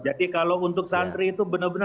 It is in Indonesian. jadi kalau untuk santri itu benar benar di